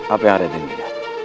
apa yang ada di dunia